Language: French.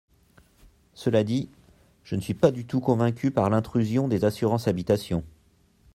Cela dit, je ne suis pas du tout convaincue par l’intrusion des assurances habitation.